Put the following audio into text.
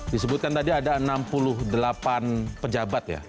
disebutkan tadi ada enam puluh delapan pejabat ya